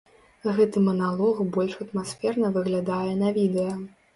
Гэты маналог больш атмасферна выглядае на відэа.